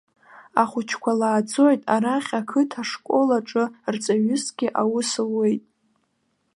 Ахәыҷқәа лааӡоит, арахь ақыҭа школ аҿы рҵаҩысгьы аус луеит.